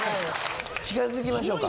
近づきましょうか？